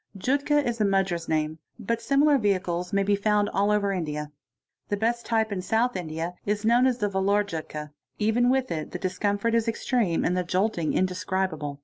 ('Jutka' is the Madras name, ;similar vehicles may be found all over India.) The best type in uth India is known as the Vellore Jutka—yet even with it the dis mfort is extreme and the jolting indescribable.